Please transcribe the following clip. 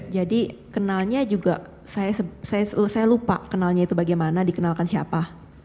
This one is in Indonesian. jadi kenalnya juga saya lupa kenalnya itu bagaimana dikenalkan siapa